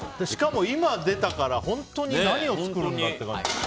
しかも今出たから本当に何を作るかって。